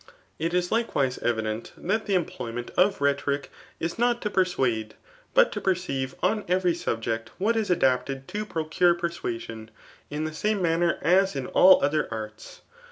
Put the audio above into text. It is likewise evident, that the employment of rhetoric is not to per suade, but to perceive on every subject what is adapted to procure p^uasion, in the same manner ais in all other arts.